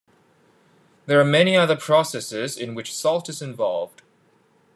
There are many other processes in which salt is involved.